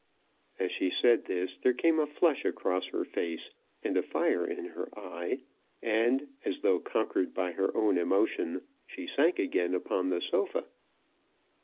As she said this there came a flush across her face, and a fire in her eye, and, as though conquered by her own emotion, she sank again upon the sofa.